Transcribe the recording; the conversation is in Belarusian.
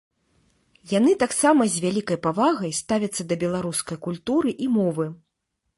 Яны таксама з вялікай павагай ставяцца да беларускай культуры і мовы.